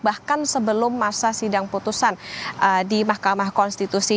bahkan sebelum masa sidang putusan di mahkamah konstitusi